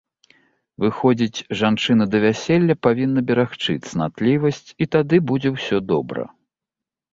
Выходзіць, жанчына да вяселля павінна берагчы цнатлівасць і тады будзе ўсё добра.